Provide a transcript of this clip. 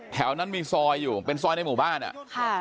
แถวนั้นมีซอยอยู่เป็นซอยในหมู่บ้านอ่ะค่ะ